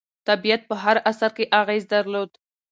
طبیعت په هر عصر کې اغېز درلود.